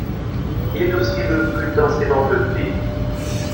Il est aussi le plus densément peuplé.